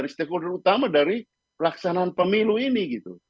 stakeholder utama dari pelaksanaan pemilu ini gitu